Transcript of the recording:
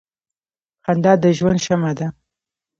• خندا د ژوند شمع ده.